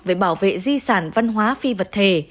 về bảo vệ di sản văn hóa phi vật thể